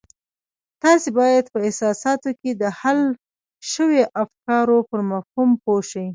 تاسې بايد په احساساتو کې د حل شويو افکارو پر مفهوم پوه شئ.